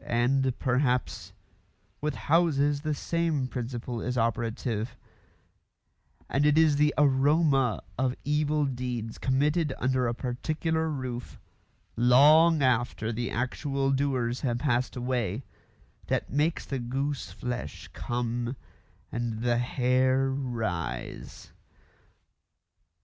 And, perhaps, with houses the same principle is operative, and it is the aroma of evil deeds committed under a particular roof, long after the actual doers have passed away, that makes the gooseflesh come and the hair rise.